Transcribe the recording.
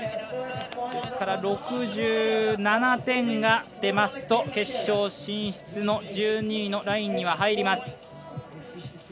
ですから６７点が出ますと決勝進出の１２位のラインには入ります。